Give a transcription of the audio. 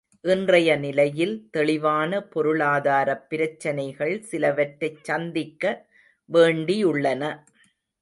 இன்றைய நிலையில் தெளிவான பொருளாதாரப் பிரச்சனைகள் சிலவற்றைச் சந்திக்க வேண்டியுள்ளன.